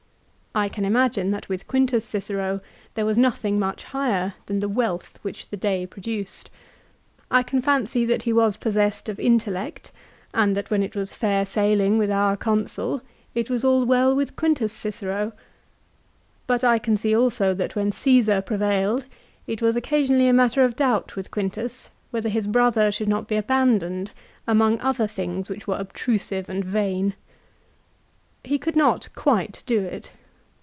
I can imagine that with Quintus Cicero there was nothing much higher than the wealth which the day produced. I can fancy that he was possessed of intellect, and that when it was fair sailing with our Consul, it was all well with Quintus Cicero. But I can see also that when Caesar prevailed it was occasionally a matter of doubt with Quintus whether his brother should not be abandoned among other things which were obtrusive 1 Ad Div. xiv. 16. 160 LIFE OF CICERO. and vain. He could not quite do it.